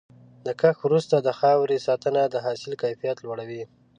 د کښت وروسته د خاورې ساتنه د حاصل کیفیت لوړوي.